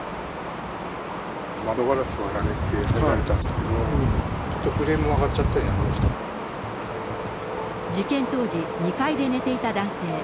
窓ガラス割られて、入られたんだけど、ちょっとフレームも曲がっちゃったりなんかし事件当時、２階で寝ていた男性。